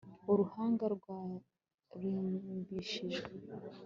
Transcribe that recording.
Uruhanga rwarimbishijwe